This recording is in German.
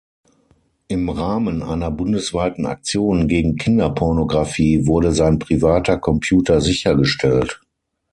Im Rahmen einer bundesweiten Aktion gegen Kinderpornografie wurde sein privater Computer sichergestellt.